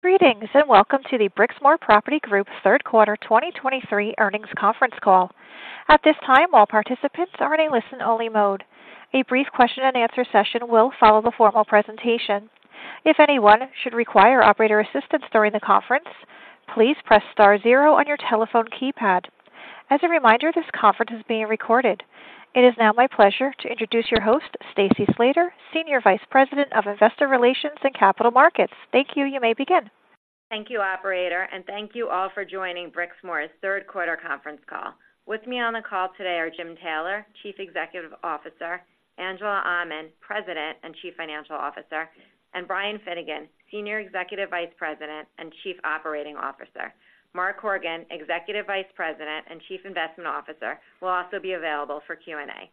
Greetings, and welcome to the Brixmor Property Group's third quarter 2023 earnings conference call. At this time, all participants are in a listen-only mode. A brief question-and-answer session will follow the formal presentation. If anyone should require operator assistance during the conference, please press star zero on your telephone keypad. As a reminder, this conference is being recorded. It is now my pleasure to introduce your host, Stacy Slater, Senior Vice President of Investor Relations and Capital Markets. Thank you. You may begin. Thank you, operator, and thank you all for joining Brixmor's third quarter conference call. With me on the call today are Jim Taylor, Chief Executive Officer, Angela Aman, President and Chief Financial Officer, and Brian Finnegan, Senior Executive Vice President and Chief Operating Officer. Mark Horgan, Executive Vice President and Chief Investment Officer, will also be available for Q&A.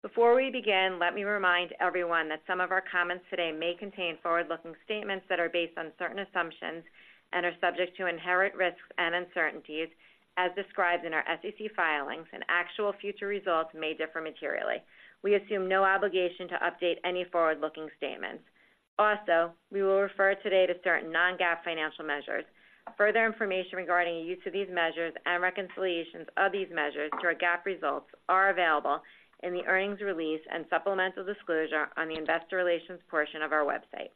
Before we begin, let me remind everyone that some of our comments today may contain forward-looking statements that are based on certain assumptions and are subject to inherent risks and uncertainties as described in our SEC filings, and actual future results may differ materially. We assume no obligation to update any forward-looking statements. Also, we will refer today to certain non-GAAP financial measures. Further information regarding the use of these measures and reconciliations of these measures to our GAAP results are available in the earnings release and supplemental disclosure on the investor relations portion of our website.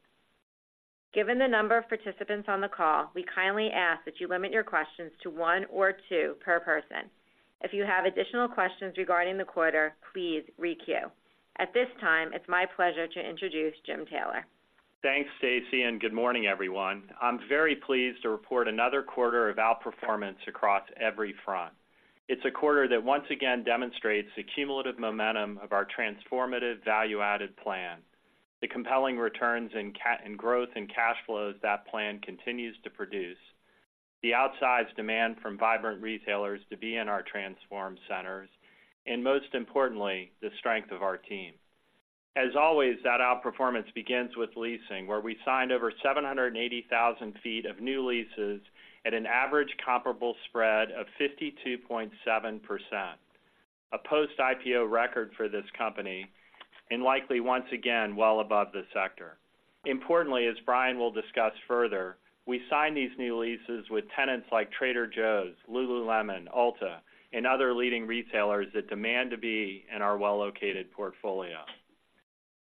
Given the number of participants on the call, we kindly ask that you limit your questions to one or two per person. If you have additional questions regarding the quarter, please re-queue. At this time, it's my pleasure to introduce Jim Taylor. Thanks, Stacy, and good morning, everyone. I'm very pleased to report another quarter of outperformance across every front. It's a quarter that once again demonstrates the cumulative momentum of our transformative value-added plan, the compelling returns in growth and cash flows that plan continues to produce, the outsized demand from vibrant retailers to be in our transformed centers, and most importantly, the strength of our team. As always, that outperformance begins with leasing, where we signed over 780,000 sq ft of new leases at an average comparable spread of 52.7%, a post-IPO record for this company, and likely once again, well above the sector. Importantly, as Brian will discuss further, we signed these new leases with tenants like Trader Joe's, Lululemon, Ulta, and other leading retailers that demand to be in our well-located portfolio.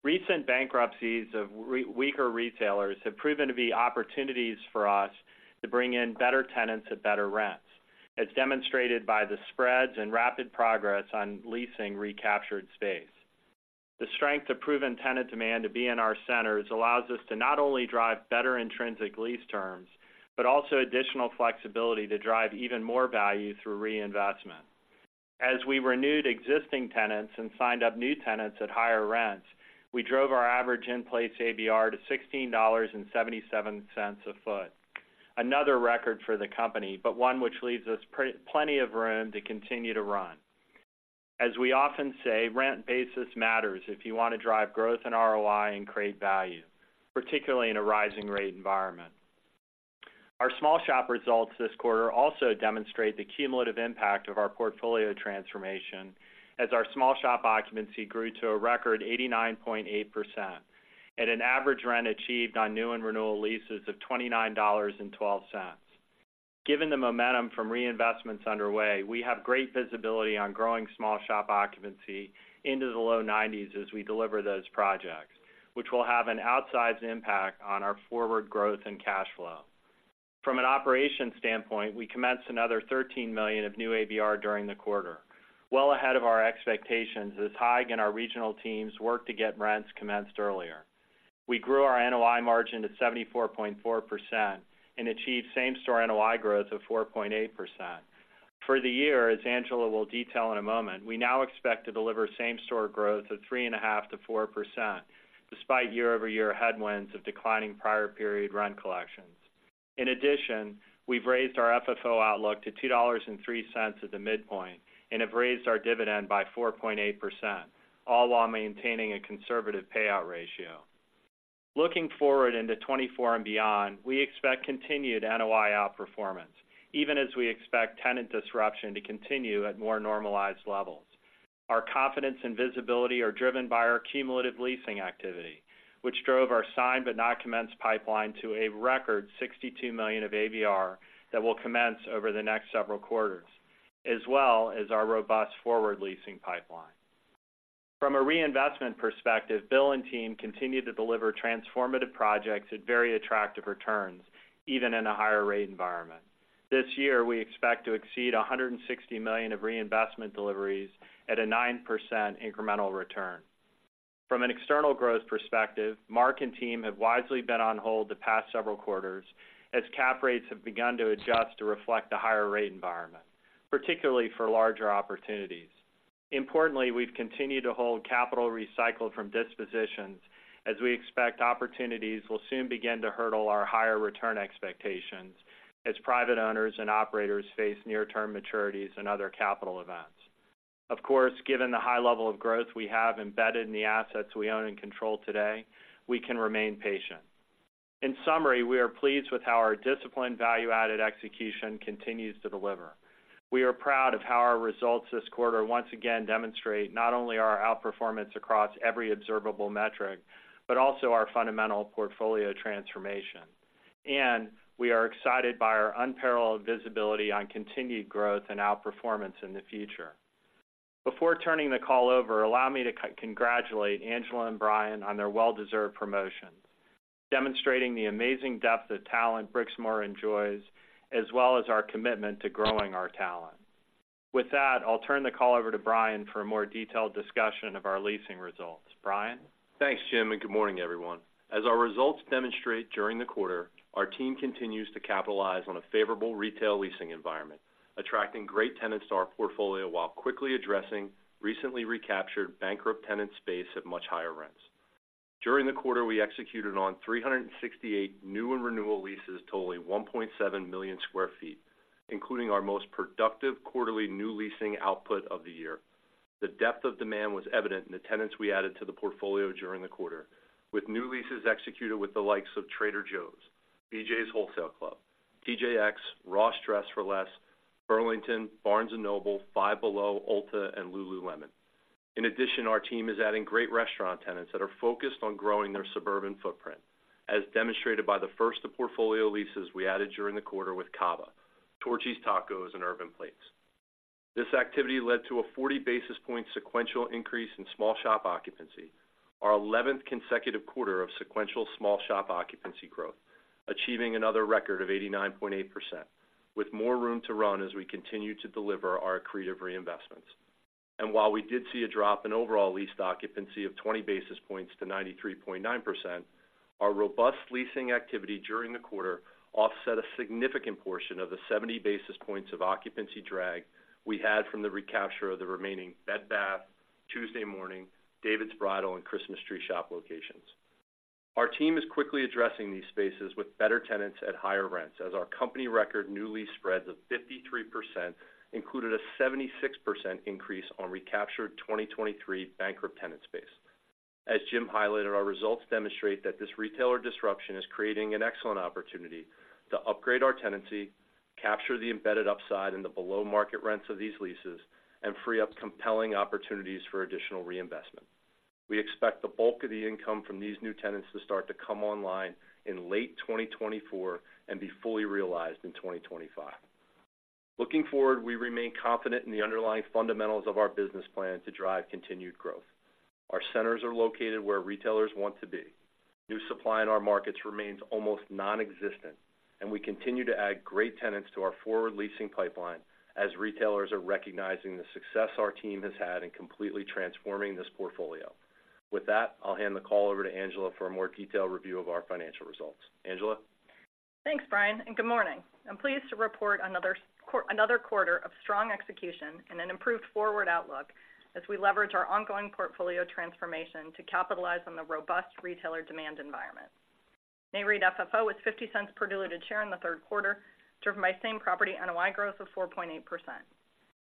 Recent bankruptcies of weaker retailers have proven to be opportunities for us to bring in better tenants at better rents, as demonstrated by the spreads and rapid progress on leasing recaptured space. The strength of proven tenant demand to be in our centers allows us to not only drive better intrinsic lease terms, but also additional flexibility to drive even more value through reinvestment. As we renewed existing tenants and signed up new tenants at higher rents, we drove our average in-place ABR to $16.77 a foot, another record for the company, but one which leaves us plenty of room to continue to run. As we often say, rent basis matters if you want to drive growth in ROI and create value, particularly in a rising rate environment. Our small shop results this quarter also demonstrate the cumulative impact of our portfolio transformation, as our small shop occupancy grew to a record 89.8% at an average rent achieved on new and renewal leases of $29.12. Given the momentum from reinvestments underway, we have great visibility on growing small shop occupancy into the low 90s as we deliver those projects, which will have an outsized impact on our forward growth and cash flow. From an operations standpoint, we commenced another $13 million of new ABR during the quarter, well ahead of our expectations, as Haig and our regional teams worked to get rents commenced earlier. We grew our NOI margin to 74.4% and achieved same-store NOI growth of 4.8%. For the year, as Angela will detail in a moment, we now expect to deliver same-store growth of 3.5%-4%, despite year-over-year headwinds of declining prior period rent collections. In addition, we've raised our FFO outlook to $2.03 at the midpoint and have raised our dividend by 4.8%, all while maintaining a conservative payout ratio. Looking forward into 2024 and beyond, we expect continued NOI outperformance, even as we expect tenant disruption to continue at more normalized levels. Our confidence and visibility are driven by our cumulative leasing activity, which drove our signed but not commenced pipeline to a record $62 million of ABR that will commence over the next several quarters, as well as our robust forward leasing pipeline. From a reinvestment perspective, Bill and team continued to deliver transformative projects at very attractive returns, even in a higher rate environment. This year, we expect to exceed $160 million of reinvestment deliveries at a 9% incremental return. From an external growth perspective, Mark and team have wisely been on hold the past several quarters as cap rates have begun to adjust to reflect a higher rate environment, particularly for larger opportunities. Importantly, we've continued to hold capital recycled from dispositions, as we expect opportunities will soon begin to hurdle our higher return expectations as private owners and operators face near-term maturities and other capital events. Of course, given the high level of growth we have embedded in the assets we own and control today, we can remain patient. In summary, we are pleased with how our disciplined value-added execution continues to deliver.... We are proud of how our results this quarter once again demonstrate not only our outperformance across every observable metric, but also our fundamental portfolio transformation. We are excited by our unparalleled visibility on continued growth and outperformance in the future. Before turning the call over, allow me to congratulate Angela and Brian on their well-deserved promotions, demonstrating the amazing depth of talent Brixmor enjoys, as well as our commitment to growing our talent. With that, I'll turn the call over to Brian for a more detailed discussion of our leasing results. Brian? Thanks, Jim, and good morning, everyone. As our results demonstrate during the quarter, our team continues to capitalize on a favorable retail leasing environment, attracting great tenants to our portfolio while quickly addressing recently recaptured bankrupt tenant space at much higher rents. During the quarter, we executed on 368 new and renewal leases totaling 1.7 million sq ft, including our most productive quarterly new leasing output of the year. The depth of demand was evident in the tenants we added to the portfolio during the quarter, with new leases executed with the likes of Trader Joe's, BJ's Wholesale Club, TJX, Ross Dress for Less, Burlington, Barnes & Noble, Five Below, Ulta, and Lululemon. In addition, our team is adding great restaurant tenants that are focused on growing their suburban footprint, as demonstrated by the first of portfolio leases we added during the quarter with Cava, Torchy's Tacos, and Urban Plates. This activity led to a 40 basis point sequential increase in small shop occupancy, our 11th consecutive quarter of sequential small shop occupancy growth, achieving another record of 89.8%, with more room to run as we continue to deliver our accretive reinvestments. And while we did see a drop in overall leased occupancy of 20 basis points to 93.9%, our robust leasing activity during the quarter offset a significant portion of the 70 basis points of occupancy drag we had from the recapture of the remaining Bed Bath, Tuesday Morning, David's Bridal, and Christmas Tree Shops locations. Our team is quickly addressing these spaces with better tenants at higher rents, as our company record new lease spreads of 53% included a 76% increase on recaptured 2023 bankrupt tenant space. As Jim highlighted, our results demonstrate that this retailer disruption is creating an excellent opportunity to upgrade our tenancy, capture the embedded upside in the below-market rents of these leases, and free up compelling opportunities for additional reinvestment. We expect the bulk of the income from these new tenants to start to come online in late 2024 and be fully realized in 2025. Looking forward, we remain confident in the underlying fundamentals of our business plan to drive continued growth. Our centers are located where retailers want to be. New supply in our markets remains almost nonexistent, and we continue to add great tenants to our forward leasing pipeline as retailers are recognizing the success our team has had in completely transforming this portfolio. With that, I'll hand the call over to Angela for a more detailed review of our financial results. Angela? Thanks, Brian, and good morning. I'm pleased to report another quarter of strong execution and an improved forward outlook as we leverage our ongoing portfolio transformation to capitalize on the robust retailer demand environment. NAREIT FFO was $0.50 per diluted share in the third quarter, driven by same-property NOI growth of 4.8%.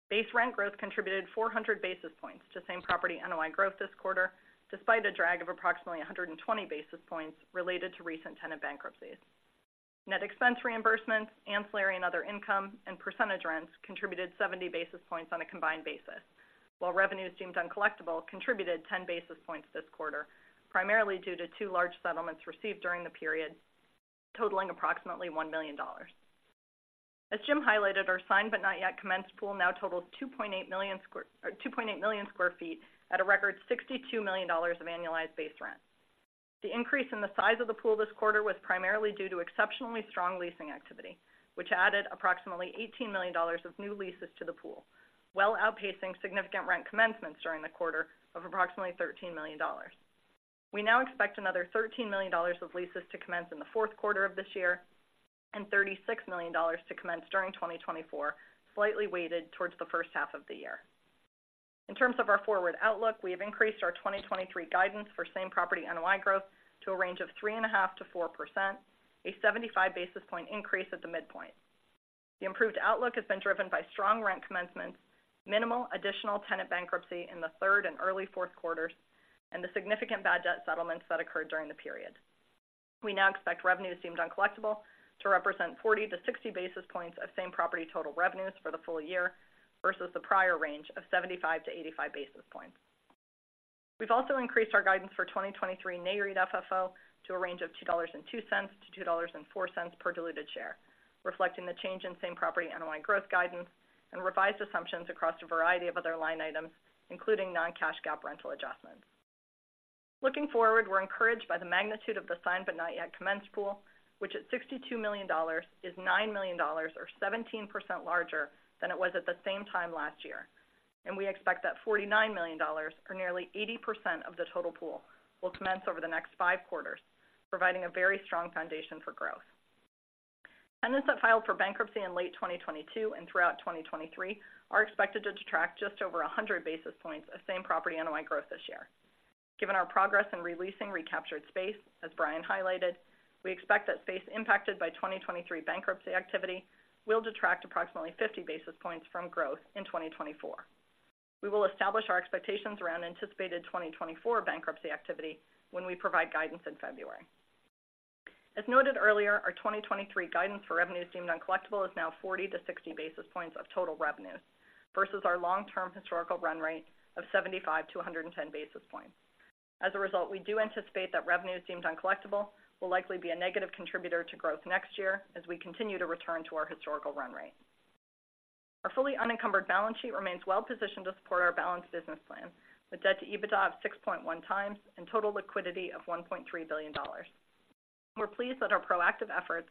Base rent growth contributed 400 basis points to same-property NOI growth this quarter, despite a drag of approximately 120 basis points related to recent tenant bankruptcies. Net expense reimbursements, ancillary and other income, and percentage rents contributed 70 basis points on a combined basis, while revenues deemed uncollectible contributed 10 basis points this quarter, primarily due to two large settlements received during the period, totaling approximately $1 million. As Jim highlighted, our signed but not yet commenced pool now totals 2.8 million sq ft at a record $62 million of annualized base rent. The increase in the size of the pool this quarter was primarily due to exceptionally strong leasing activity, which added approximately $18 million of new leases to the pool, well outpacing significant rent commencements during the quarter of approximately $13 million. We now expect another $13 million of leases to commence in the fourth quarter of this year and $36 million to commence during 2024, slightly weighted towards the first half of the year. In terms of our forward outlook, we have increased our 2023 guidance for Same-Property NOI growth to a range of 3.5%-4%, a 75 basis point increase at the midpoint. The improved outlook has been driven by strong rent commencements, minimal additional tenant bankruptcy in the third and early fourth quarters, and the significant bad debt settlements that occurred during the period. We now expect revenues deemed uncollectible to represent 40-60 basis points of same-property total revenues for the full year versus the prior range of 75-85 basis points. We've also increased our guidance for 2023 NAREIT FFO to a range of $2.02-$2.04 per diluted share, reflecting the change in same-property NOI growth guidance and revised assumptions across a variety of other line items, including non-cash GAAP rental adjustments. Looking forward, we're encouraged by the magnitude of the signed but not yet commenced pool, which at $62 million, is $9 million, or 17% larger than it was at the same time last year. We expect that $49 million, or nearly 80% of the total pool, will commence over the next five quarters, providing a very strong foundation for growth. Tenants that filed for bankruptcy in late 2022 and throughout 2023 are expected to detract just over 100 basis points of same-property NOI growth this year. Given our progress in re-leasing recaptured space, as Brian highlighted, we expect that space impacted by 2023 bankruptcy activity will detract approximately 50 basis points from growth in 2024. We will establish our expectations around anticipated 2024 bankruptcy activity when we provide guidance in February. As noted earlier, our 2023 guidance for revenue deemed uncollectible is now 40-60 basis points of total revenue, versus our long-term historical run rate of 75-110 basis points. As a result, we do anticipate that revenue deemed uncollectible will likely be a negative contributor to growth next year as we continue to return to our historical run rate. Our fully unencumbered balance sheet remains well positioned to support our balanced business plan, with debt to EBITDA of 6.1x and total liquidity of $1.3 billion. We're pleased that our proactive efforts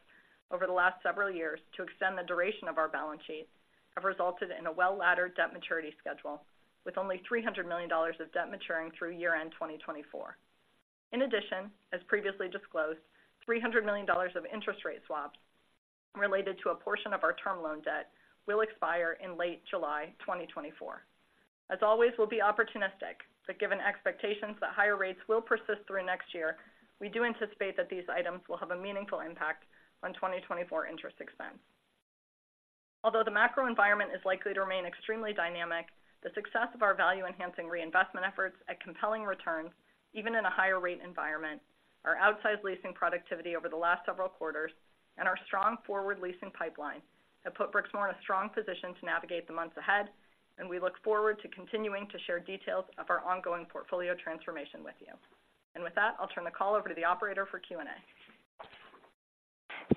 over the last several years to extend the duration of our balance sheet have resulted in a well-laddered debt maturity schedule, with only $300 million of debt maturing through year-end 2024. In addition, as previously disclosed, $300 million of interest rate swaps related to a portion of our term loan debt will expire in late July 2024. As always, we'll be opportunistic, but given expectations that higher rates will persist through next year, we do anticipate that these items will have a meaningful impact on 2024 interest expense. Although the macro environment is likely to remain extremely dynamic, the success of our value-enhancing reinvestment efforts at compelling returns, even in a higher rate environment, our outsized leasing productivity over the last several quarters, and our strong forward leasing pipeline, have put Brixmor in a strong position to navigate the months ahead, and we look forward to continuing to share details of our ongoing portfolio transformation with you. And with that, I'll turn the call over to the operator for Q&A.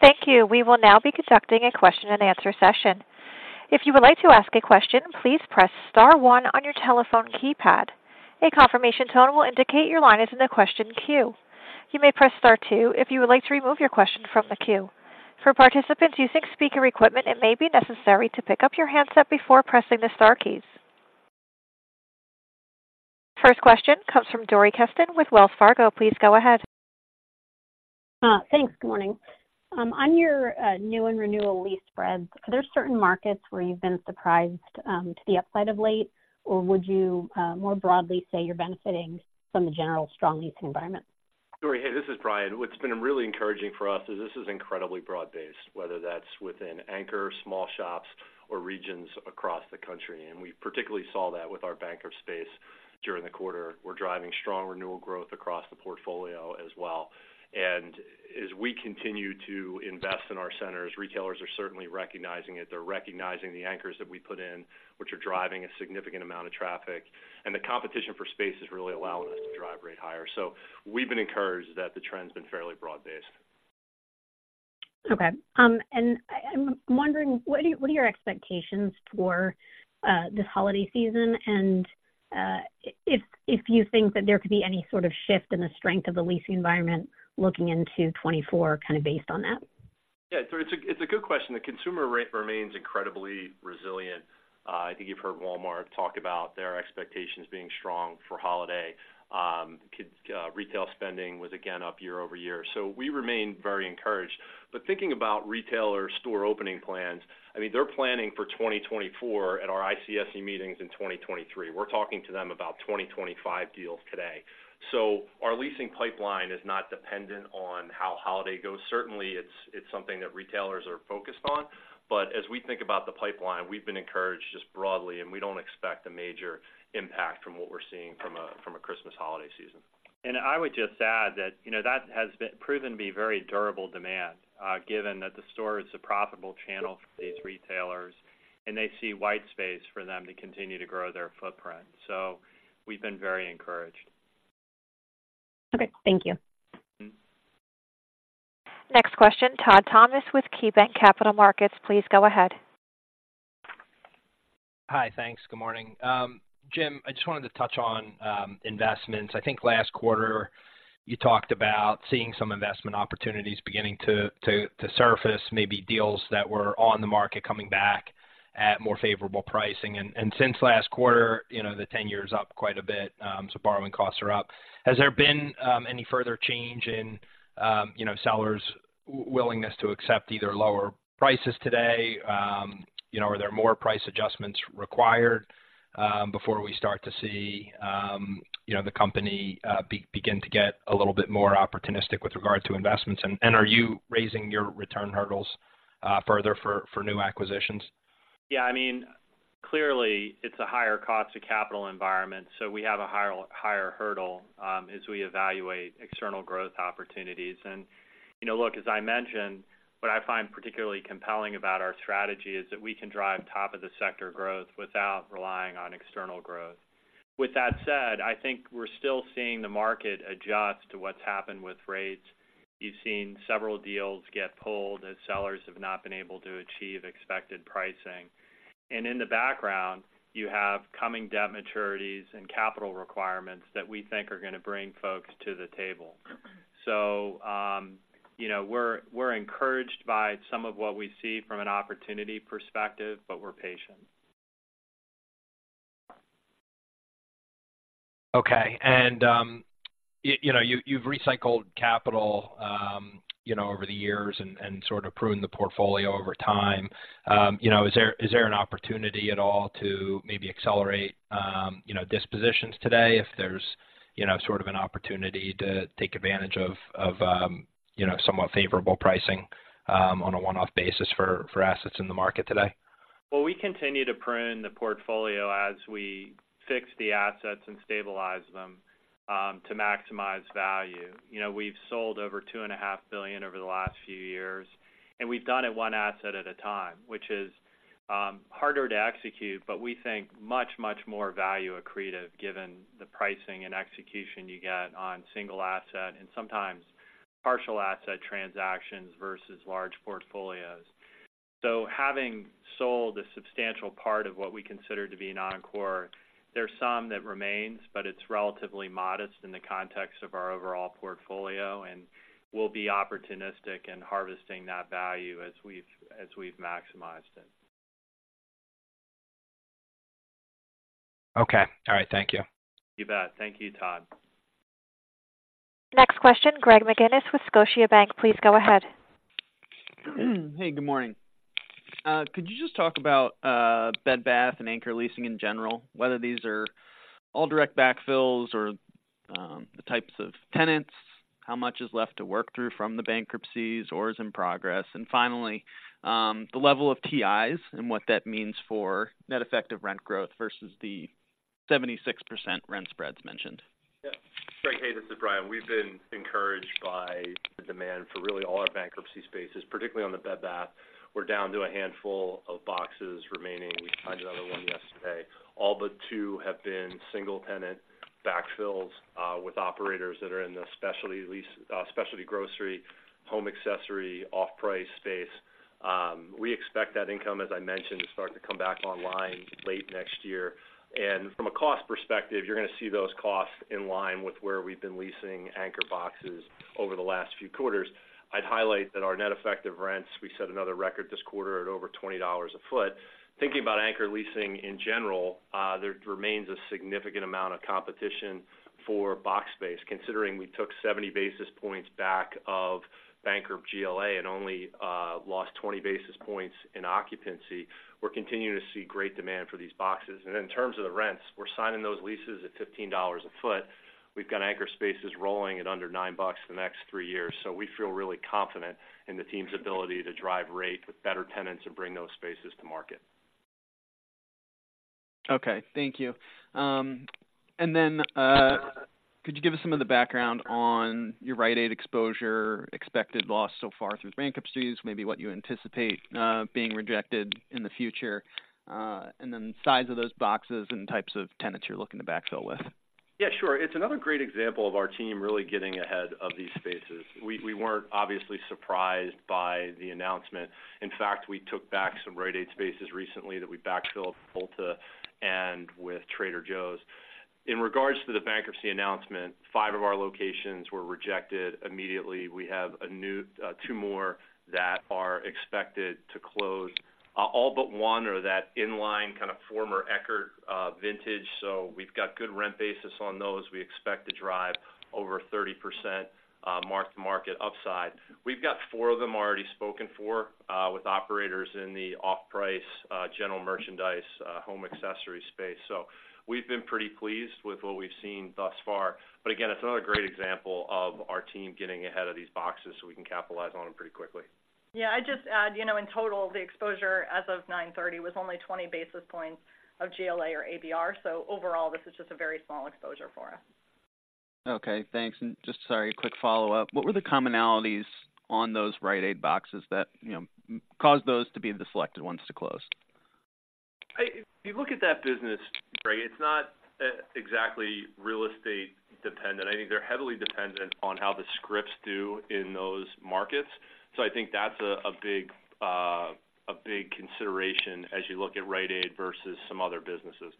Thank you. We will now be conducting a question-and-answer session. If you would like to ask a question, please press star one on your telephone keypad. A confirmation tone will indicate your line is in the question queue. You may press star two if you would like to remove your question from the queue. For participants using speaker equipment, it may be necessary to pick up your handset before pressing the star keys. First question comes from Dori Kesten with Wells Fargo. Please go ahead. Thanks. Good morning. On your new and renewal lease spreads, are there certain markets where you've been surprised to the upside of late, or would you more broadly say you're benefiting from the general strong leasing environment? Dori, hey, this is Brian. What's been really encouraging for us is this is incredibly broad-based, whether that's within anchor, small shops, or regions across the country, and we particularly saw that with our blank space during the quarter. We're driving strong renewal growth across the portfolio as well. And as we continue to invest in our centers, retailers are certainly recognizing it. They're recognizing the anchors that we put in, which are driving a significant amount of traffic, and the competition for space is really allowing us to drive rate higher. So we've been encouraged that the trend's been fairly broad-based. Okay, and I'm wondering, what are your expectations for this holiday season? And, if you think that there could be any sort of shift in the strength of the leasing environment looking into 2024, kind of, based on that. Yeah, so it's a, it's a good question. The consumer rate remains incredibly resilient. I think you've heard Walmart talk about their expectations being strong for holiday. Census retail spending was again up year-over-year, so we remain very encouraged. But thinking about retailer store opening plans, I mean, they're planning for 2024 at our ICSC meetings in 2023. We're talking to them about 2025 deals today. So our leasing pipeline is not dependent on how holiday goes. Certainly, it's, it's something that retailers are focused on. But as we think about the pipeline, we've been encouraged just broadly, and we don't expect a major impact from what we're seeing from a, from a Christmas holiday season. I would just add that, you know, that has been proven to be very durable demand, given that the store is a profitable channel for these retailers, and they see white space for them to continue to grow their footprint. So we've been very encouraged. Okay, thank you. Mm-hmm. Next question, Todd Thomas with KeyBanc Capital Markets. Please go ahead. Hi, thanks. Good morning. Jim, I just wanted to touch on investments. I think last quarter you talked about seeing some investment opportunities beginning to surface, maybe deals that were on the market coming back at more favorable pricing. And since last quarter, you know, the 10-year is up quite a bit, so borrowing costs are up. Has there been any further change in, you know, sellers' willingness to accept either lower prices today? You know, are there more price adjustments required before we start to see the company begin to get a little bit more opportunistic with regard to investments? And are you raising your return hurdles further for new acquisitions? Yeah, I mean, clearly it's a higher cost to capital environment, so we have a higher, higher hurdle as we evaluate external growth opportunities. And, you know, look, as I mentioned, what I find particularly compelling about our strategy is that we can drive top-of-the-sector growth without relying on external growth. With that said, I think we're still seeing the market adjust to what's happened with rates. You've seen several deals get pulled as sellers have not been able to achieve expected pricing. And in the background, you have coming debt maturities and capital requirements that we think are gonna bring folks to the table. So, you know, we're, we're encouraged by some of what we see from an opportunity perspective, but we're patient. Okay. And, you know, you've recycled capital, you know, over the years and sort of pruned the portfolio over time. You know, is there an opportunity at all to maybe accelerate dispositions today if there's, you know, sort of an opportunity to take advantage of somewhat favorable pricing on a one-off basis for assets in the market today?... Well, we continue to prune the portfolio as we fix the assets and stabilize them to maximize value. You know, we've sold over $2.5 billion over the last few years, and we've done it one asset at a time, which is harder to execute, but we think much, much more value accretive, given the pricing and execution you get on single asset and sometimes partial asset transactions versus large portfolios. So having sold a substantial part of what we consider to be non-core, there's some that remains, but it's relatively modest in the context of our overall portfolio, and we'll be opportunistic in harvesting that value as we've maximized it. Okay. All right, thank you. You bet. Thank you, Todd. Next question, Greg McGinniss with Scotiabank, please go ahead. Hey, good morning. Could you just talk about Bed Bath and Anchor leasing in general, whether these are all direct backfills or the types of tenants, how much is left to work through from the bankruptcies or is in progress? And finally, the level of TIs and what that means for net effective rent growth versus the 76% rent spreads mentioned. Yeah. Greg, hey, this is Brian. We've been encouraged by the demand for really all our bankruptcy spaces, particularly on the Bed Bath. We're down to a handful of boxes remaining. We signed another one yesterday. All but two have been single tenant backfills with operators that are in the specialty grocery, home accessory, off-price space. We expect that income, as I mentioned, to start to come back online late next year. And from a cost perspective, you're going to see those costs in line with where we've been leasing anchor boxes over the last few quarters. I'd highlight that our net effective rents, we set another record this quarter at over $20 a foot. Thinking about anchor leasing in general, there remains a significant amount of competition for box space, considering we took 70 basis points back of bankrupt GLA and only lost 20 basis points in occupancy. We're continuing to see great demand for these boxes. In terms of the rents, we're signing those leases at $15 a foot. We've got anchor spaces rolling at under $9 for the next 3 years, so we feel really confident in the team's ability to drive rate with better tenants and bring those spaces to market. Okay, thank you. And then, could you give us some of the background on your Rite Aid exposure, expected loss so far through bankruptcies, maybe what you anticipate, being rejected in the future, and then the size of those boxes and types of tenants you're looking to backfill with? Yeah, sure. It's another great example of our team really getting ahead of these spaces. We weren't obviously surprised by the announcement. In fact, we took back some Rite Aid spaces recently that we backfilled with Ulta and with Trader Joe's. In regards to the bankruptcy announcement, five of our locations were rejected immediately. We have two more that are expected to close. All but one are that inline, kind of, former Eckerd, vintage, so we've got good rent basis on those. We expect to drive over 30% Mark-to-Market upside. We've got four of them already spoken for, with operators in the off-price, general merchandise, home accessory space. So we've been pretty pleased with what we've seen thus far. But again, it's another great example of our team getting ahead of these boxes so we can capitalize on them pretty quickly. Yeah, I'd just add, you know, in total, the exposure as of 9:30 was only 20 basis points of GLA or ABR, so overall, this is just a very small exposure for us. Okay, thanks. Just, sorry, a quick follow-up. What were the commonalities on those Rite Aid boxes that, you know, caused those to be the selected ones to close? If you look at that business, Greg, it's not exactly real estate dependent. I think they're heavily dependent on how the scripts do in those markets. So I think that's a big consideration as you look at Rite Aid versus some other businesses.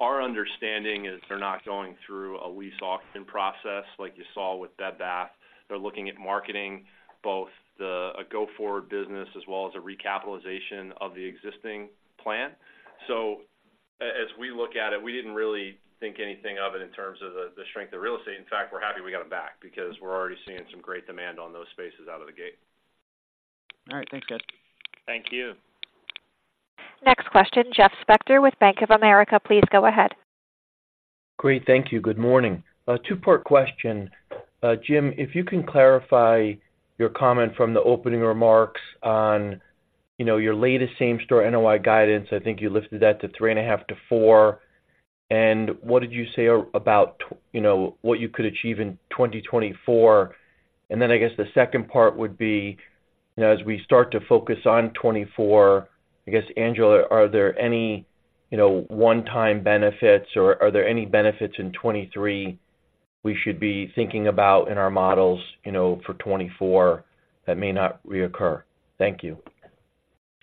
Our understanding is they're not going through a lease auction process like you saw with Bed Bath. They're looking at marketing both the a go-forward business, as well as a recapitalization of the existing plan. So as we look at it, we didn't really think anything of it in terms of the strength of real estate. In fact, we're happy we got them back because we're already seeing some great demand on those spaces out of the gate. All right. Thanks, guys. Thank you. Next question, Jeff Spector with Bank of America. Please go ahead. Great. Thank you. Good morning. A two-part question. Jim, if you can clarify your comment from the opening remarks on, you know, your latest same-store NOI guidance. I think you lifted that to 3.5-4. And what did you say about, you know, what you could achieve in 2024? And then I guess the second part would be, you know, as we start to focus on 2024, I guess, Angela, are there any, you know, one-time benefits, or are there any benefits in 2023 we should be thinking about in our models, you know, for 2024 that may not reoccur? Thank you.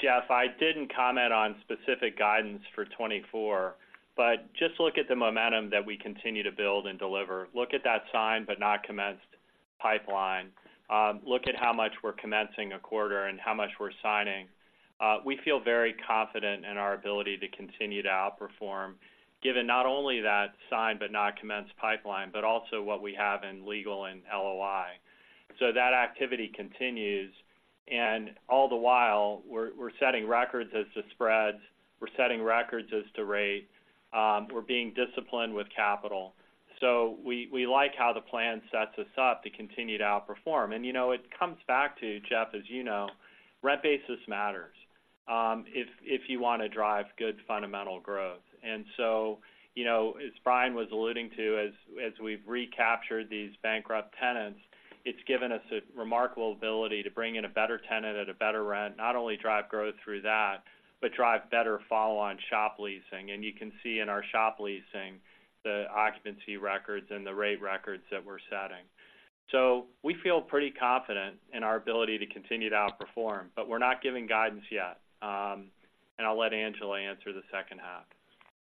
Jeff, I didn't comment on specific guidance for 2024, but just look at the momentum that we continue to build and deliver. Look at that signed but not commenced pipeline. Look at how much we're commencing a quarter and how much we're signing. We feel very confident in our ability to continue to outperform, given not only that signed but not commenced pipeline, but also what we have in legal and LOI. So that activity continues, and all the while, we're, we're setting records as to spreads, we're setting records as to rate. We're being disciplined with capital. So we, we like how the plan sets us up to continue to outperform. And, you know, it comes back to, Jeff, as you know, rent basis matters, if, if you wanna drive good fundamental growth. So, you know, as Brian was alluding to, as we've recaptured these bankrupt tenants, it's given us a remarkable ability to bring in a better tenant at a better rent, not only drive growth through that, but drive better follow on shop leasing. You can see in our shop leasing, the occupancy records and the rate records that we're setting. We feel pretty confident in our ability to continue to outperform, but we're not giving guidance yet. I'll let Angela answer the second half.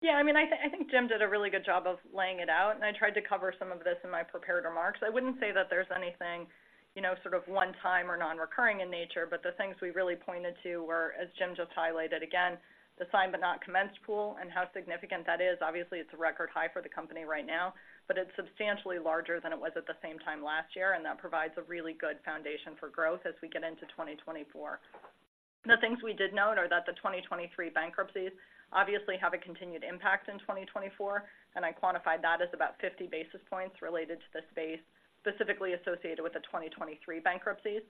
Yeah, I mean, I think Jim did a really good job of laying it out, and I tried to cover some of this in my prepared remarks. I wouldn't say that there's anything, you know, sort of one time or non-recurring in nature, but the things we really pointed to were, as Jim just highlighted, again, the signed but not commenced pool and how significant that is. Obviously, it's a record high for the company right now, but it's substantially larger than it was at the same time last year, and that provides a really good foundation for growth as we get into 2024. The things we did note are that the 2023 bankruptcies obviously have a continued impact in 2024, and I quantified that as about 50 basis points related to the space, specifically associated with the 2023 bankruptcies.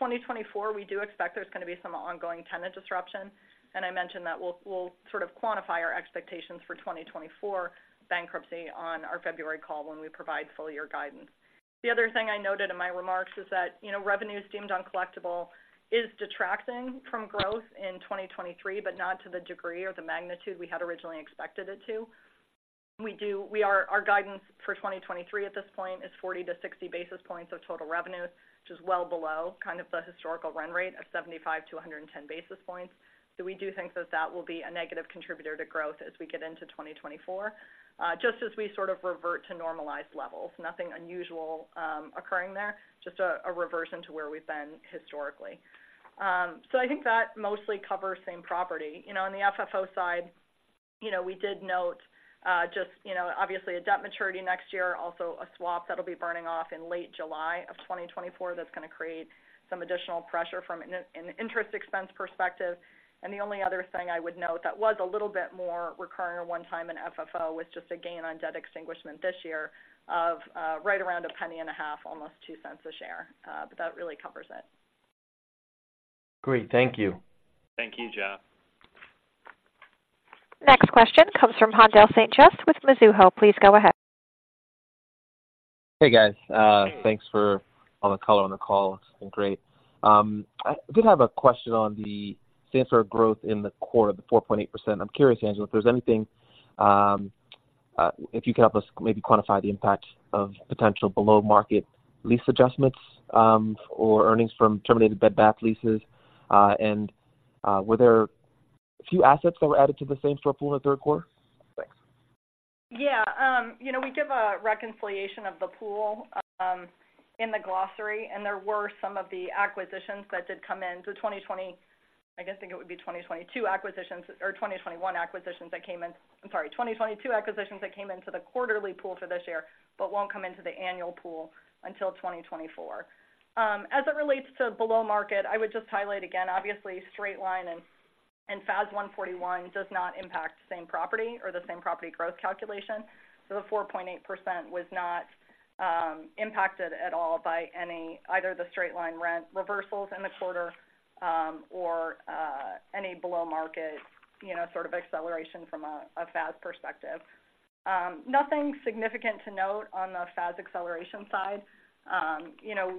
2024, we do expect there's gonna be some ongoing tenant disruption, and I mentioned that we'll, we'll sort of quantify our expectations for 2024 bankruptcy on our February call when we provide full year guidance. The other thing I noted in my remarks is that, you know, revenues deemed uncollectible is detracting from growth in 2023, but not to the degree or the magnitude we had originally expected it to. We do-- we are-- our guidance for 2023 at this point is 40-60 basis points of total revenue, which is well below kind of the historical run rate of 75-110 basis points. So we do think that that will be a negative contributor to growth as we get into 2024, just as we sort of revert to normalized levels. Nothing unusual occurring there, just a reversion to where we've been historically. So I think that mostly covers same property. You know, on the FFO side, you know, we did note, just, you know, obviously, a debt maturity next year, also a swap that'll be burning off in late July of 2024. That's gonna create some additional pressure from an interest expense perspective. And the only other thing I would note that was a little bit more recurring or one time in FFO, was just a gain on debt extinguishment this year of right around $0.015, almost $0.02 a share, but that really covers it. Great. Thank you. Thank you, Jeff. Next question comes from Haendel St. Juste with Mizuho. Please go ahead. Hey, guys, thanks for all the color on the call. It's been great. I did have a question on the same store growth in the quarter, the 4.8%. I'm curious, Angela, if there's anything, if you could help us maybe quantify the impact of potential below market lease adjustments, or earnings from terminated Bed Bath leases, and were there a few assets that were added to the same store pool in the third quarter? Thanks. Yeah, you know, we give a reconciliation of the pool in the glossary, and there were some of the acquisitions that did come into 2022--I guess, think it would be 2022 acquisitions or 2021 acquisitions that came in--I'm sorry, 2022 acquisitions that came into the quarterly pool for this year, but won't come into the annual pool until 2024. As it relates to below-market, I would just highlight, again, obviously, straight-line and FAS 141 does not impact same-property or the same-property growth calculation. So the 4.8% was not impacted at all by any--either the straight-line rent reversals in the quarter, or any below-market, you know, sort of acceleration from a FAS perspective. Nothing significant to note on the FAS acceleration side. You know,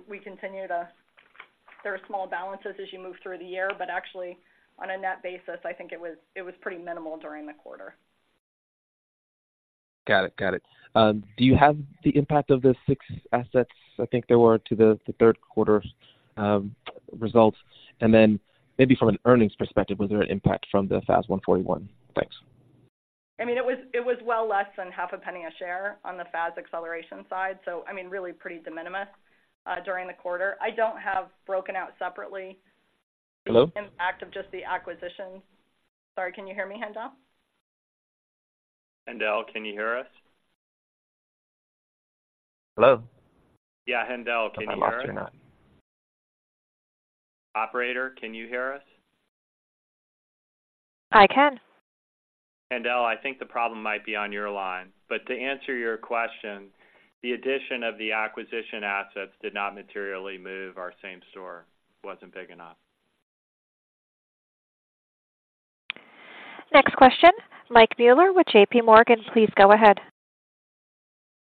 there are small balances as you move through the year, but actually on a net basis, I think it was pretty minimal during the quarter. Got it. Got it. Do you have the impact of the 6 assets? I think there were to the third quarter results. And then maybe from an earnings perspective, was there an impact from the FAS 141? Thanks. I mean, it was well less than $0.005 a share on the FAS acceleration side, so I mean, really pretty de minimis during the quarter. I don't have broken out separately- Hello? the impact of just the acquisitions. Sorry, can you hear me, Haendel? Haendel, can you hear us? Hello? Yeah, Haendel, can you hear us? Am I lost or not? Operator, can you hear us? I can. Haendel, I think the problem might be on your line. But to answer your question, the addition of the acquisition assets did not materially move our same store. Wasn't big enough. Next question, Mike Mueller with JP Morgan. Please go ahead.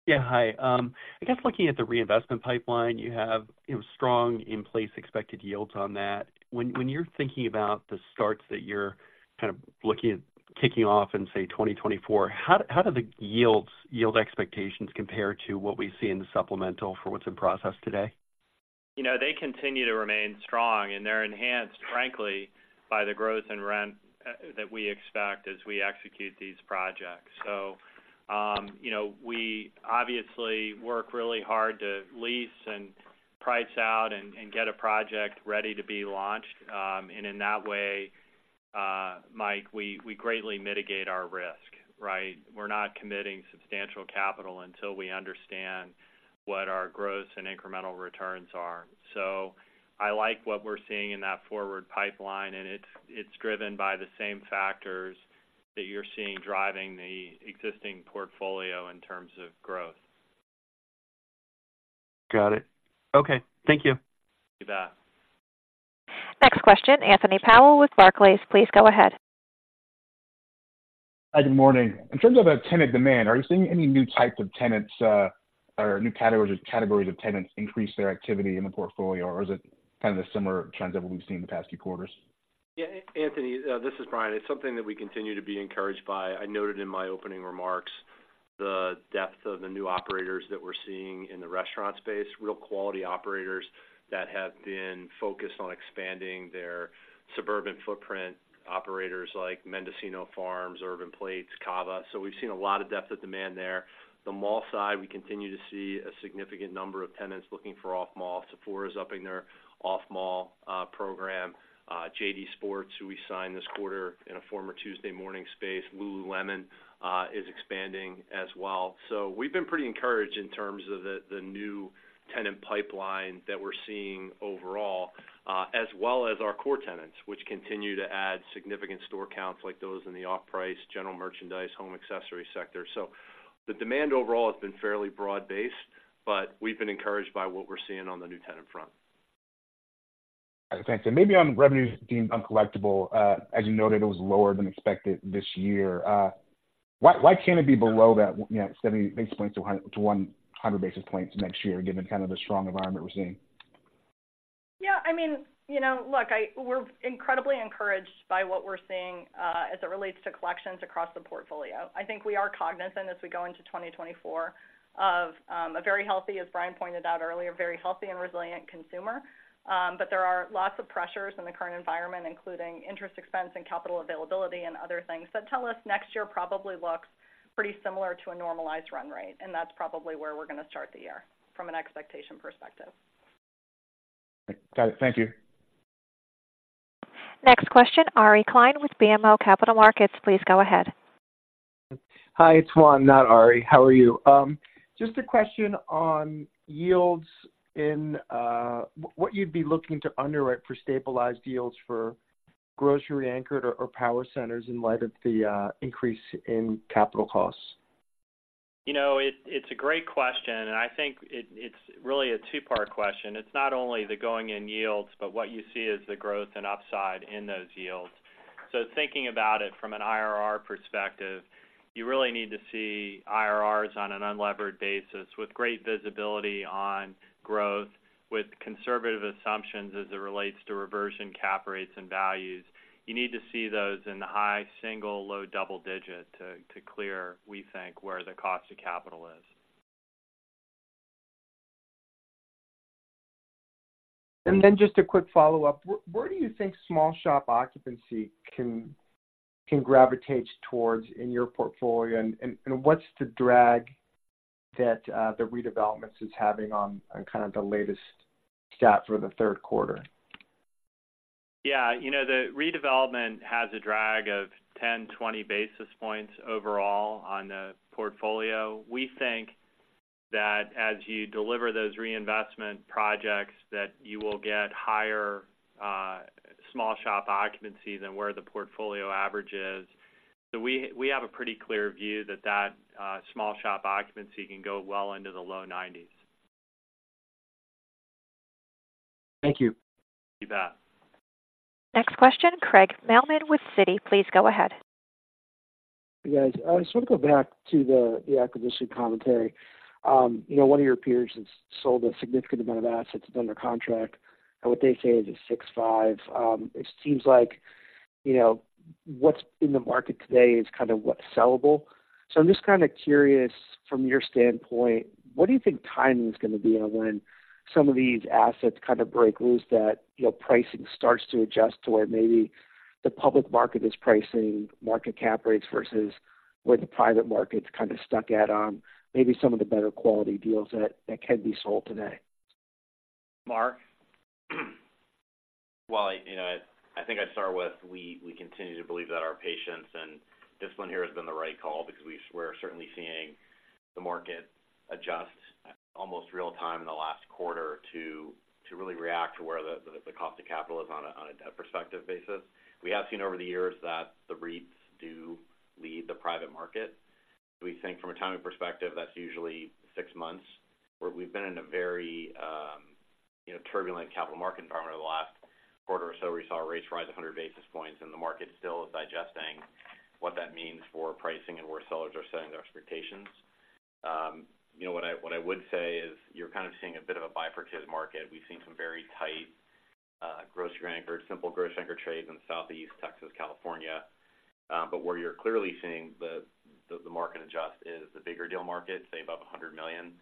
Yeah, hi. I guess looking at the reinvestment pipeline, you have, you know, strong in place expected yields on that. When you're thinking about the starts that you're kind of looking at kicking off in, say, 2024, how do the yields, yield expectations compare to what we see in the supplemental for what's in process today? You know, they continue to remain strong, and they're enhanced, frankly, by the growth in rent that we expect as we execute these projects. So, you know, we obviously work really hard to lease and price out and get a project ready to be launched. And in that way, Mike, we greatly mitigate our risk, right? We're not committing substantial capital until we understand what our growth and incremental returns are. So I like what we're seeing in that forward pipeline, and it's driven by the same factors that you're seeing driving the existing portfolio in terms of growth.... Got it. Okay, thank you. You bet. Next question, Anthony Powell with Barclays, please go ahead. Hi, good morning. In terms of a tenant demand, are you seeing any new types of tenants, or new categories of tenants increase their activity in the portfolio? Or is it kind of the similar trends that we've seen in the past few quarters? Yeah, Anthony, this is Brian. It's something that we continue to be encouraged by. I noted in my opening remarks the depth of the new operators that we're seeing in the restaurant space, real quality operators that have been focused on expanding their suburban footprint, operators like Mendocino Farms, Urban Plates, Cava. So we've seen a lot of depth of demand there. The mall side, we continue to see a significant number of tenants looking for off-mall. Sephora is upping their off-mall program. JD Sports, who we signed this quarter in a former Tuesday Morning space, lululemon is expanding as well. So we've been pretty encouraged in terms of the new tenant pipeline that we're seeing overall, as well as our core tenants, which continue to add significant store counts, like those in the off-price, general merchandise, home accessory sector. The demand overall has been fairly broad-based, but we've been encouraged by what we're seeing on the new tenant front. Thanks. Maybe on revenues deemed uncollectible, as you noted, it was lower than expected this year. Why, why can't it be below that, you know, 70 basis points to 100 basis points next year, given kind of the strong environment we're seeing? Yeah, I mean, you know, look, we're incredibly encouraged by what we're seeing as it relates to collections across the portfolio. I think we are cognizant as we go into 2024, of a very healthy, as Brian pointed out earlier, very healthy and resilient consumer. But there are lots of pressures in the current environment, including interest expense and capital availability and other things that tell us next year probably looks pretty similar to a normalized run rate, and that's probably where we're going to start the year from an expectation perspective. Got it. Thank you. Next question, Ari Klein with BMO Capital Markets, please go ahead. Hi, it's Juan, not Ari. How are you? Just a question on yields in what you'd be looking to underwrite for stabilized yields for grocery anchored or power centers in light of the increase in capital costs. You know, it, it's a great question, and I think it, it's really a two-part question. It's not only the going in yields, but what you see is the growth and upside in those yields. So thinking about it from an IRR perspective, you really need to see IRRs on an unlevered basis with great visibility on growth, with conservative assumptions as it relates to reversion cap rates and values. You need to see those in the high single, low double digit to, to clear, we think, where the cost of capital is. Then just a quick follow-up. Where do you think small shop occupancy can gravitate towards in your portfolio? And what's the drag that the redevelopments is having on kind of the latest stat for the third quarter? Yeah, you know, the redevelopment has a drag of 10-20 basis points overall on the portfolio. We think that as you deliver those reinvestment projects, that you will get higher, small shop occupancy than where the portfolio average is. So we, we have a pretty clear view that that, small shop occupancy can go well into the low 90s. Thank you. You bet. Next question, Craig Mailman with Citi. Please go ahead. Guys, I just want to go back to the acquisition commentary. You know, one of your peers has sold a significant amount of assets under contract at what they say is a 6.5. It seems like, you know, what's in the market today is kind of what's sellable. So I'm just kind of curious, from your standpoint, what do you think timing is going to be on when some of these assets kind of break loose, that you know, pricing starts to adjust to where maybe the public market is pricing market cap rates versus where the private market's kind of stuck at on maybe some of the better quality deals that can be sold today? Mark? Well, you know, I think I'd start with, we continue to believe that our patience and discipline here has been the right call because we're certainly seeing the market adjust almost real time in the last quarter to really react to where the cost of capital is on a debt perspective basis. We have seen over the years that the REITs do lead the private market. We think from a timing perspective, that's usually six months, where we've been in a very, you know, turbulent capital market environment over the last quarter or so, we saw rates rise 100 basis points, and the market still is digesting what that means for pricing and where sellers are setting their expectations. You know, what I would say is you're kind of seeing a bit of a bifurcated market. We've seen some very tight, grocery anchored, simple grocery anchor trades in Southeast, Texas, California. But where you're clearly seeing the market adjust is the bigger deal market, say, about $100 million.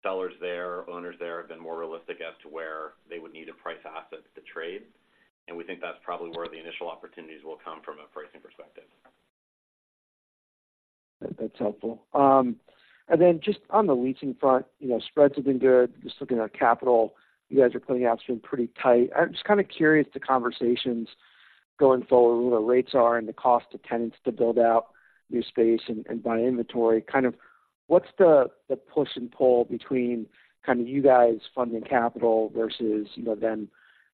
Sellers there, owners there, have been more realistic as to where they would need to price assets to trade, and we think that's probably where the initial opportunities will come from a pricing perspective. That's helpful. And then just on the leasing front, you know, spreads have been good. Just looking at cap rates, you guys are putting out cap rates pretty tight. I'm just kind of curious as to conversations going forward, what the rates are and the cost to tenants to build out new space and buy inventory. Kind of what's the push and pull between kind of you guys funding capital versus, you know, then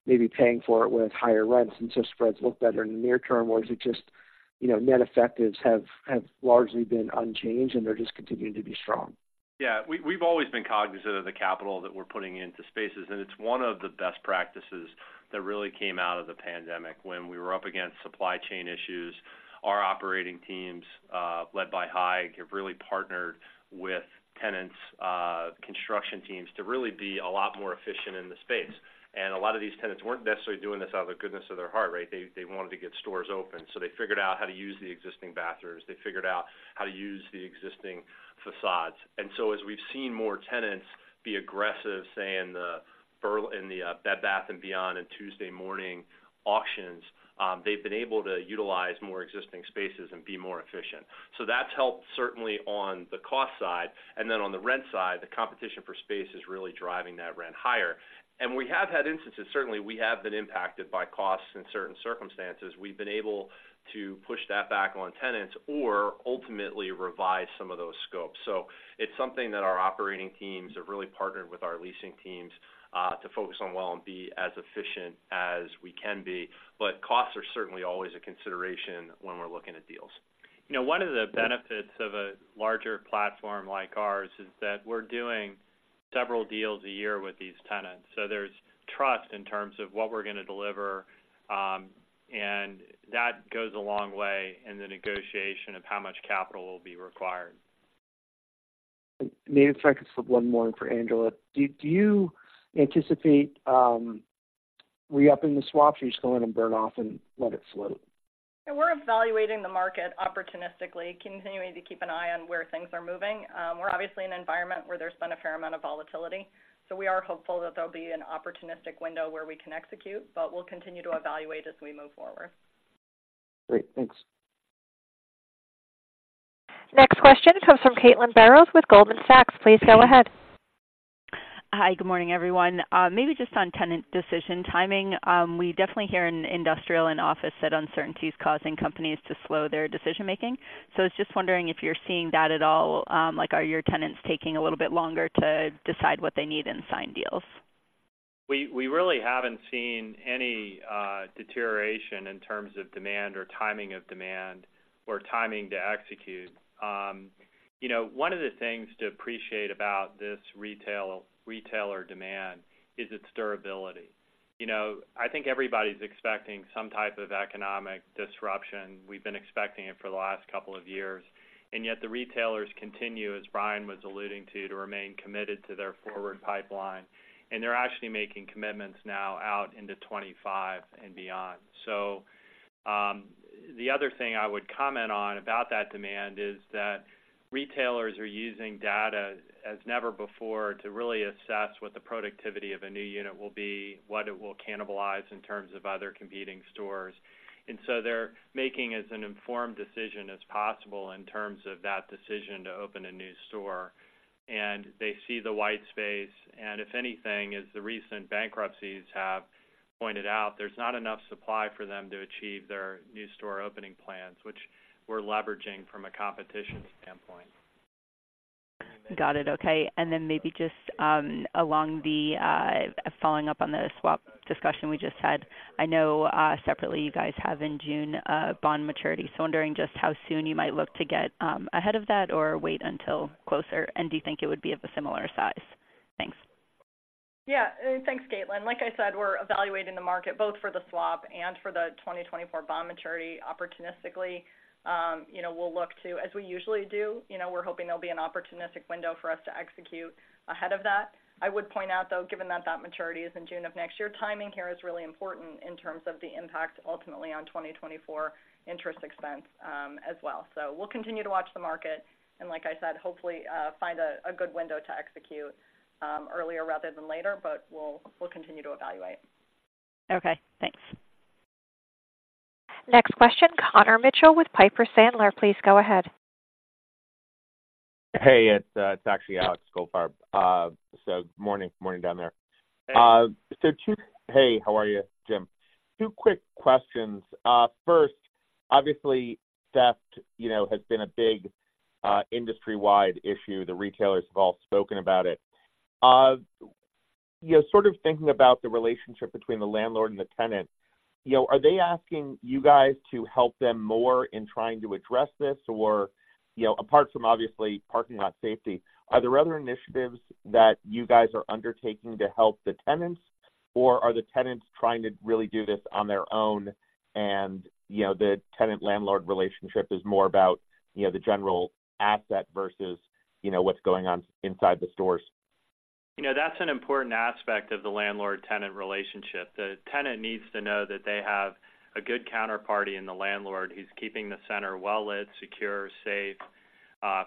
maybe paying for it with higher rents, and so spreads look better in the near term, or is it just-... you know, net effectives have largely been unchanged, and they're just continuing to be strong. Yeah, we've always been cognizant of the capital that we're putting into spaces, and it's one of the best practices that really came out of the pandemic. When we were up against supply chain issues, our operating teams, led by Haig, have really partnered with tenants, construction teams to really be a lot more efficient in the space. And a lot of these tenants weren't necessarily doing this out of the goodness of their heart, right? They wanted to get stores open. So they figured out how to use the existing bathrooms. They figured out how to use the existing facades. And so as we've seen more tenants be aggressive, say, in the Bed Bath & Beyond and Tuesday Morning auctions, they've been able to utilize more existing spaces and be more efficient. That's helped certainly on the cost side, and then on the rent side, the competition for space is really driving that rent higher. We have had instances, certainly, we have been impacted by costs in certain circumstances. We've been able to push that back on tenants or ultimately revise some of those scopes. It's something that our operating teams have really partnered with our leasing teams, to focus on well and be as efficient as we can be. Costs are certainly always a consideration when we're looking at deals. You know, one of the benefits of a larger platform like ours is that we're doing several deals a year with these tenants, so there's trust in terms of what we're going to deliver, and that goes a long way in the negotiation of how much capital will be required. Maybe if I could slip one more in for Angela. Do you anticipate re-upping the swaps, or you just go in and burn off and let it float? Yeah, we're evaluating the market opportunistically, continuing to keep an eye on where things are moving. We're obviously in an environment where there's been a fair amount of volatility, so we are hopeful that there'll be an opportunistic window where we can execute, but we'll continue to evaluate as we move forward. Great. Thanks. Next question comes from Caitlin Burrows with Goldman Sachs. Please go ahead. Hi, good morning, everyone. Maybe just on tenant decision timing, we definitely hear in industrial and office that uncertainty is causing companies to slow their decision-making. So I was just wondering if you're seeing that at all. Like, are your tenants taking a little bit longer to decide what they need and sign deals? We really haven't seen any deterioration in terms of demand or timing of demand or timing to execute. You know, one of the things to appreciate about this retailer demand is its durability. You know, I think everybody's expecting some type of economic disruption. We've been expecting it for the last couple of years, and yet the retailers continue, as Brian was alluding to, to remain committed to their forward pipeline, and they're actually making commitments now out into 25 and beyond. So, the other thing I would comment on about that demand is that retailers are using data as never before to really assess what the productivity of a new unit will be, what it will cannibalize in terms of other competing stores. And so they're making as an informed decision as possible in terms of that decision to open a new store. They see the white space, and if anything, as the recent bankruptcies have pointed out, there's not enough supply for them to achieve their new store opening plans, which we're leveraging from a competition standpoint. Got it. Okay. And then maybe just along the following up on the swap discussion we just had, I know separately, you guys have in June a bond maturity. So wondering just how soon you might look to get ahead of that or wait until closer, and do you think it would be of a similar size? Thanks. Yeah. Thanks, Caitlin. Like I said, we're evaluating the market, both for the swap and for the 2024 bond maturity opportunistically. You know, we'll look to, as we usually do, you know, we're hoping there'll be an opportunistic window for us to execute ahead of that. I would point out, though, given that that maturity is in June of next year, timing here is really important in terms of the impact ultimately on 2024 interest expense, as well. So we'll continue to watch the market, and like I said, hopefully, find a good window to execute, earlier rather than later, but we'll, we'll continue to evaluate. Okay, thanks. Next question, Connor Mitchell with Piper Sandler. Please go ahead. Hey, it's actually Alex Goldfarb. So morning, morning down there. Hey. Hey, how are you, Jim? Two quick questions. First, obviously, theft, you know, has been a big, industry-wide issue. The retailers have all spoken about it. You know, sort of thinking about the relationship between the landlord and the tenant, you know, are they asking you guys to help them more in trying to address this? Or, you know, apart from obviously parking lot safety, are there other initiatives that you guys are undertaking to help the tenants, or are the tenants trying to really do this on their own, and, you know, the tenant-landlord relationship is more about, you know, the general asset versus, you know, what's going on inside the stores? You know, that's an important aspect of the landlord-tenant relationship. The tenant needs to know that they have a good counterparty in the landlord, who's keeping the center well-lit, secure, safe,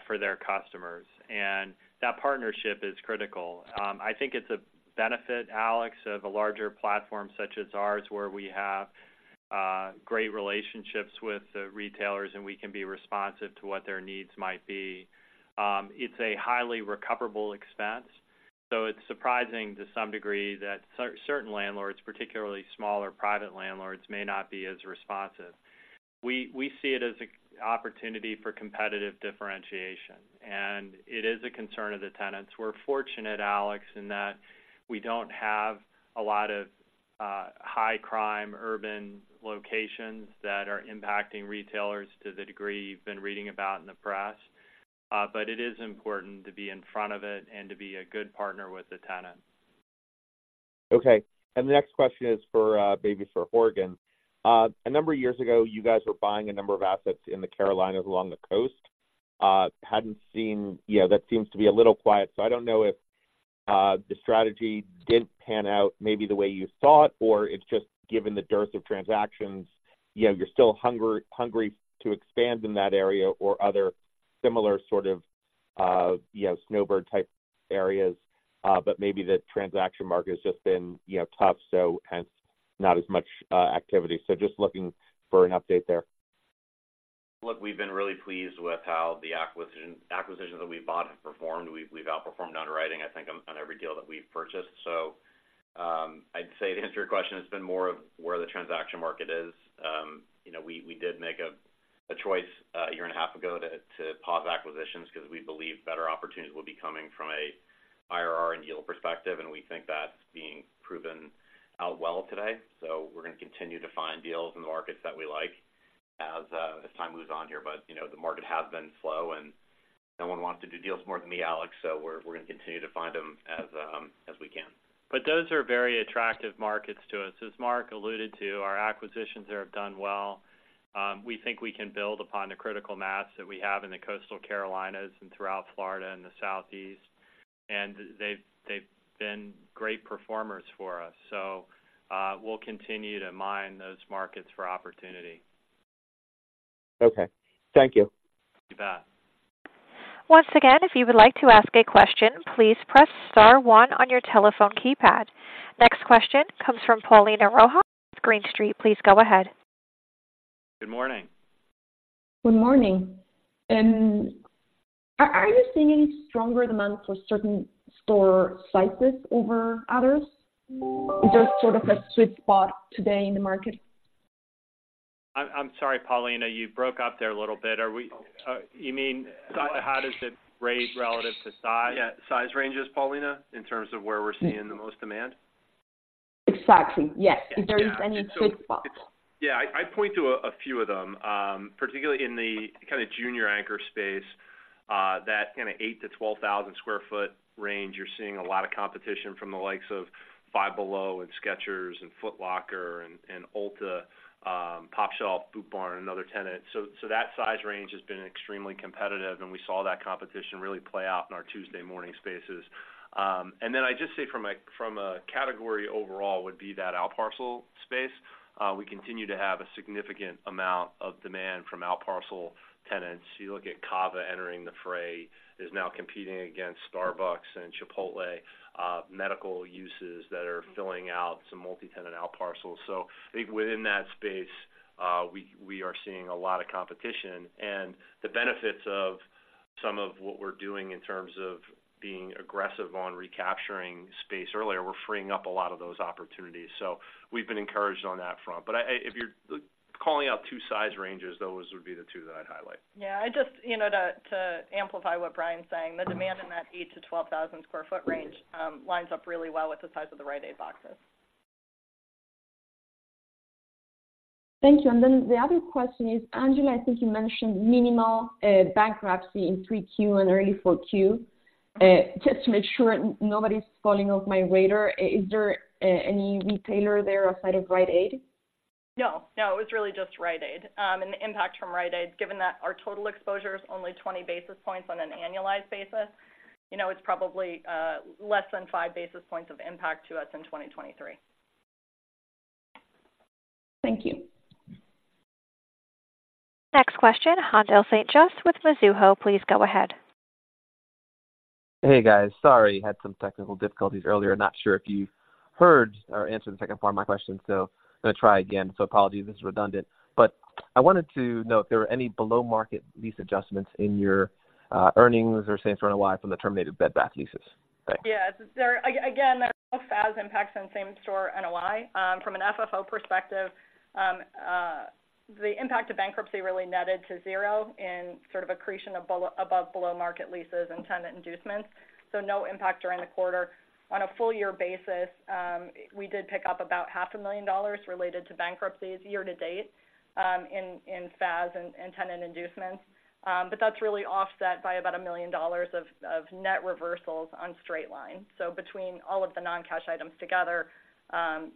for their customers. And that partnership is critical. I think it's a benefit, Alex, of a larger platform such as ours, where we have great relationships with the retailers, and we can be responsive to what their needs might be. It's a highly recoverable expense, so it's surprising to some degree that certain landlords, particularly smaller private landlords, may not be as responsive. We see it as an opportunity for competitive differentiation, and it is a concern of the tenants. We're fortunate, Alex, in that we don't have a lot of,... high crime urban locations that are impacting retailers to the degree you've been reading about in the press. But it is important to be in front of it and to be a good partner with the tenant. Okay. And the next question is for, maybe for Horgan. A number of years ago, you guys were buying a number of assets in the Carolinas along the coast. Hadn't seen. Yeah, that seems to be a little quiet. So I don't know if the strategy didn't pan out maybe the way you thought, or it's just given the dearth of transactions, you know, you're still hungry to expand in that area or other similar sort of, you know, snowbird-type areas, but maybe the transaction market has just been, you know, tough, so hence, not as much activity. So just looking for an update there. Look, we've been really pleased with how the acquisitions that we've bought have performed. We've outperformed our underwriting, I think, on every deal that we've purchased. So, I'd say to answer your question, it's been more of where the transaction market is. You know, we did make a choice a year and a half ago to pause acquisitions because we believe better opportunities will be coming from an IRR and yield perspective, and we think that's being proven out well today. So we're going to continue to find deals in the markets that we like as time moves on here. But, you know, the market has been slow, and no one wants to do deals more than me, Alex, so we're going to continue to find them as we can. But those are very attractive markets to us. As Mark alluded to, our acquisitions there have done well. We think we can build upon the critical mass that we have in the Coastal Carolinas and throughout Florida and the Southeast, and they've, they've been great performers for us, so we'll continue to mine those markets for opportunity. Okay. Thank you. You bet. Once again, if you would like to ask a question, please press star one on your telephone keypad. Next question comes from Paulina Rojas, with Green Street. Please go ahead. Good morning. Good morning. Are you seeing any stronger demand for certain store sizes over others? Is there sort of a sweet spot today in the market? I'm sorry, Paulina, you broke up there a little bit. Are we—you mean, how does it rate relative to size? Yeah, size ranges, Paulina, in terms of where we're seeing the most demand? Exactly. Yes. Yeah. If there is any sweet spot. Yeah, I'd point to a few of them, particularly in the kind of junior anchor space, that kind of 8-12,000 sq ft range, you're seeing a lot of competition from the likes of Five Below, and Skechers, and Foot Locker, and Ulta, Popshelf, Boot Barn, and other tenants. So that size range has been extremely competitive, and we saw that competition really play out in our Tuesday Morning spaces. And then I'd just say from a category overall, would be that outparcel space. We continue to have a significant amount of demand from outparcel tenants. You look at Cava entering the fray, is now competing against Starbucks and Chipotle, medical uses that are filling out some multi-tenant outparcels. So I think within that space, we are seeing a lot of competition. The benefits of some of what we're doing in terms of being aggressive on recapturing space earlier, we're freeing up a lot of those opportunities. So we've been encouraged on that front. But I-- if you're calling out two size ranges, those would be the two that I'd highlight. Yeah, I just, you know, to amplify what Brian's saying, the demand in that 8,000-12,000 sq ft range lines up really well with the size of the Rite Aid boxes. Thank you. And then the other question is, Angela, I think you mentioned minimal bankruptcy in 3Q and early 4Q. Just to make sure nobody's falling off my radar, is there any retailer there outside of Rite Aid? No, no, it was really just Rite Aid. The impact from Rite Aid, given that our total exposure is only 20 basis points on an annualized basis, you know, it's probably less than 5 basis points of impact to us in 2023. Thank you. Next question, Haendel St. Juste with Mizuho. Please go ahead. Hey, guys. Sorry, had some technical difficulties earlier. Not sure if you heard or answered the second part of my question, so I'm going to try again. Apologies if this is redundant. I wanted to know if there were any below-market lease adjustments in your earnings or same-store NOI from the terminated Bed Bath leases? Thanks. Yeah, there again, there are no FAS impacts on same store NOI. From an FFO perspective, the impact of bankruptcy really netted to zero in sort of accretion of below- and above-market leases and tenant inducements, so no impact during the quarter. On a full year basis, we did pick up about $500,000 related to bankruptcies year to date, in FAS and tenant inducements. But that's really offset by about $1 million of net reversals on straight line. So between all of the non-cash items together,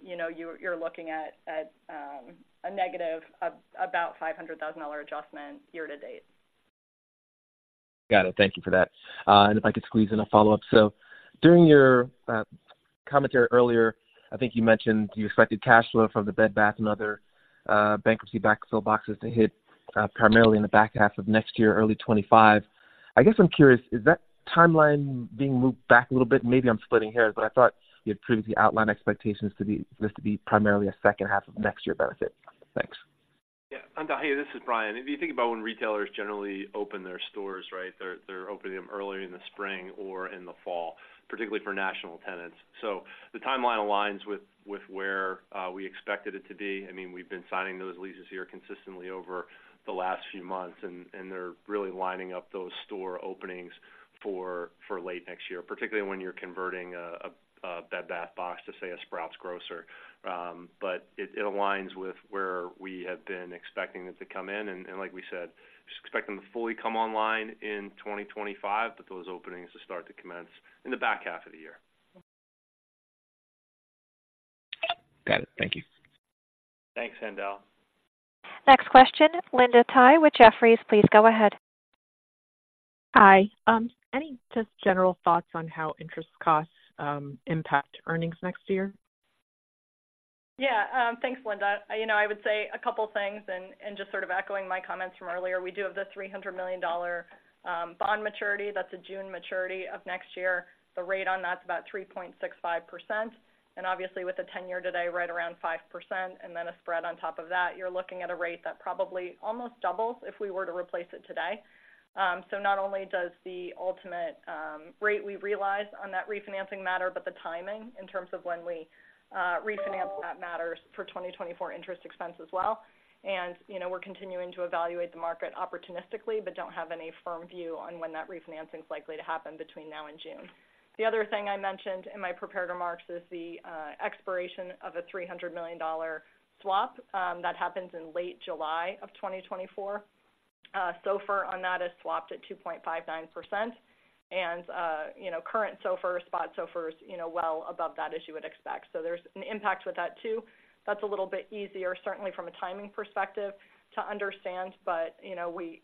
you know, you're looking at a negative about $500,000 adjustment year to date. Got it. Thank you for that. And if I could squeeze in a follow-up. So during your commentary earlier, I think you mentioned you expected cash flow from the Bed Bath and other bankruptcy backfill boxes to hit primarily in the back half of next year, early 2025. I guess I'm curious, is that timeline being moved back a little bit? Maybe I'm splitting hairs, but I thought you had previously outlined expectations to be this to be primarily a second half of next year benefit. Thanks. Yeah, Haendel, hey, this is Brian. If you think about when retailers generally open their stores, right, they're opening them early in the spring or in the fall, particularly for national tenants. So the timeline aligns with where we expected it to be. I mean, we've been signing those leases here consistently over the last few months, and they're really lining up those store openings for late next year, particularly when you're converting a Bed Bath box to, say, a Sprouts grocer. But it aligns with where we have been expecting it to come in, and like we said, just expect them to fully come online in 2025, but those openings to start to commence in the back half of the year. Got it. Thank you. Thanks, Haendel. Next question, Linda Tsai with Jefferies, please go ahead. Hi. Any just general thoughts on how interest costs impact earnings next year? Yeah. Thanks, Linda. You know, I would say a couple things, and just sort of echoing my comments from earlier, we do have the $300 million bond maturity. That's a June maturity of next year. The rate on that's about 3.65%, and obviously with the 10-year today right around 5% and then a spread on top of that, you're looking at a rate that probably almost doubles if we were to replace it today. So not only does the ultimate rate we realize on that refinancing matter, but the timing in terms of when we refinance that matters for 2024 interest expense as well. And, you know, we're continuing to evaluate the market opportunistically, but don't have any firm view on when that refinancing is likely to happen between now and June. The other thing I mentioned in my prepared remarks is the expiration of a $300 million swap that happens in late July 2024. SOFR on that is swapped at 2.59%. And, you know, current SOFR, spot SOFR is, you know, well above that, as you would expect. So there's an impact with that, too. That's a little bit easier, certainly from a timing perspective, to understand, but, you know, we,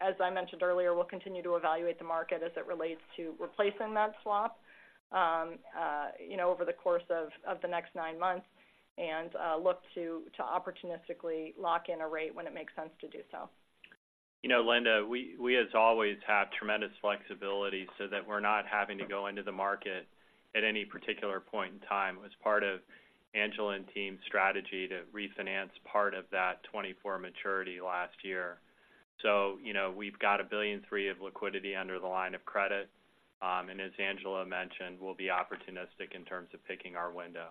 as I mentioned earlier, we'll continue to evaluate the market as it relates to replacing that swap, you know, over the course of the next nine months and look to opportunistically lock in a rate when it makes sense to do so. You know, Linda, we as always have tremendous flexibility so that we're not having to go into the market at any particular point in time as part of Angela and team's strategy to refinance part of that 2024 maturity last year. So, you know, we've got $1.3 billion of liquidity under the line of credit. And as Angela mentioned, we'll be opportunistic in terms of picking our window.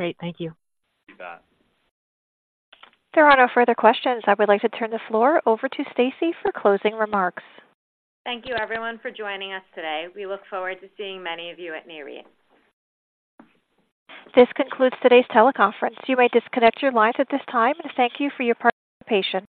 Great. Thank you. You bet. There are no further questions. I would like to turn the floor over to Stacy for closing remarks. Thank you, everyone, for joining us today. We look forward to seeing many of you at NAREIT. This concludes today's teleconference. You may disconnect your lines at this time, and thank you for your participation.